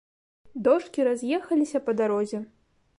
Дошкі раз'ехаліся па дарозе.